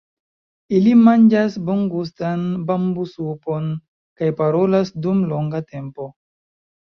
Ili manĝas bongustan bambusupon kaj parolas dum longa tempo.